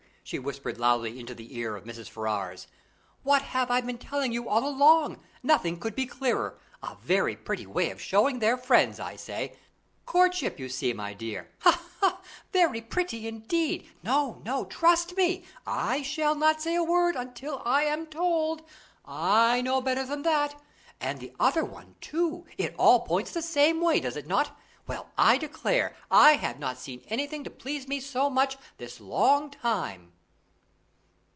she whispered loudly into the ear of Mrs. Ferrars. "What have I been telling you all along? Nothing could be clearer. A very pretty way of showing their friends, I say. 'Courtship,' you see, my dear. Ha ha! very pretty indeed. No, no, trust me. I shall not say a word until I am told. I know better than that. And the other one, too. It all points the same way, does it not? Well, I declare, I have not seen anything to please me so much this long time."